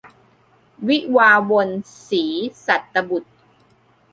วิวาห์วน - ศรีสัตตบุษย์